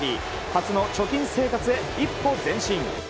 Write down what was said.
初の貯金生活へ、一歩前進。